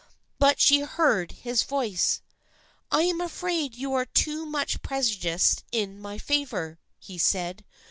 But she heard his voice. " I am afraid you are too much prejudiced in my favor," he said.